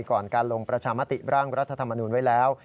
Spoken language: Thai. ก่อนการลงประชามติร่างรัฐธรรมนูลไว้แล้ว